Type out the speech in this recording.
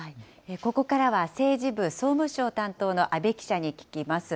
ここからは政治部総務省担当の阿部記者に聞きます。